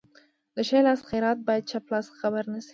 د ښي لاس خیرات باید چپ لاس خبر نشي.